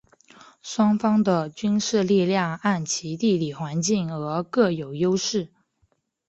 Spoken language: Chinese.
双方的军事力量按其地理环境而各有优势。